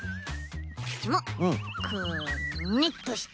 こっちもくねっとして。